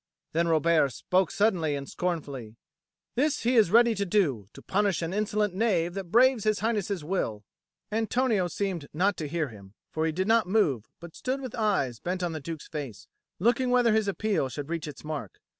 Then Robert spoke suddenly and scornfully: "This he is ready to do, to punish an insolent knave that braves His Highness's will." Antonio seemed not to hear him, for he did not move but stood with eyes bent on the Duke's face, looking whether his appeal should reach its mark.